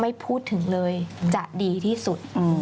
ไม่พูดถึงเลยจะดีที่สุด